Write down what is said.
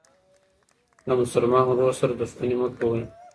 له مسلمان ورور سره دښمني مه کوئ.